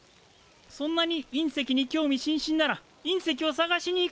そんなに隕石に興味津々なら隕石を探しに行くか？